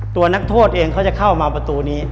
ตัวนักโทษเองเขาจะเข้ามาประตูนี้